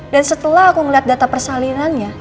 dan setelah aku ngeliat data persalinannya